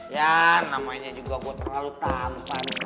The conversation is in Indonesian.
ya namanya juga gue terlalu tampan